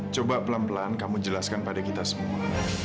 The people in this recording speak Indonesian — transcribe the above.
coba pelan pelan kamu jelaskan pada kita semua